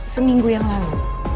seminggu yang lalu